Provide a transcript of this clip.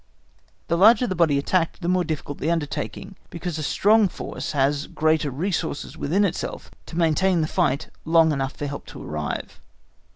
The larger the body attacked the more difficult the undertaking, because a strong force has greater resources within itself to maintain the fight long enough for help to arrive.